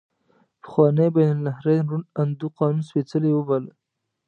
پخواني بین النهرین روڼ اندو قانون سپیڅلی وباله.